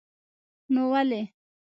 نو ولې.